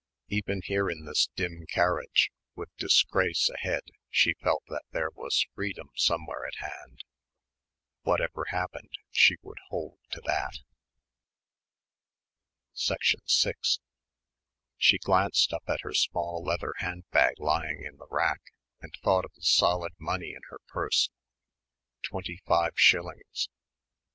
Even here in this dim carriage, with disgrace ahead she felt that there was freedom somewhere at hand. Whatever happened she would hold to that. 6 She glanced up at her small leather hand bag lying in the rack and thought of the solid money in her purse. Twenty five shillings.